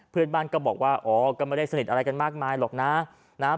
เพื่อนบ้านก็บอกว่าอ๋อก็ไม่ได้สนิทอะไรกันมากมายหรอกนะนะครับ